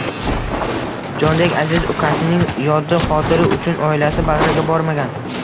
Jondek aziz ukasining yodi xotiri uchun oilasi bagʻriga bormagan